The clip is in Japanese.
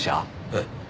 ええ。